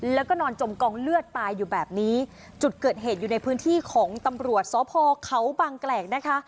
แล้วก็นอนจมกองเลือดตายอยู่แบบนี้จุดเกิดเหตุอยู่ในพื้นที่ของตำรวจสพเขาบางแกรกนะคะ